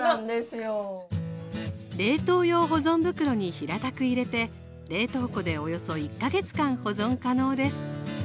冷凍用保存袋に平たく入れて冷凍庫でおよそ１か月間保存可能です。